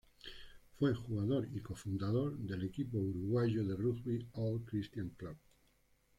Fue jugador y cofundador del equipo uruguayo de rugby Old Christians Club.